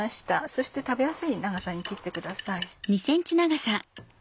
そして食べやすい長さに切ってください。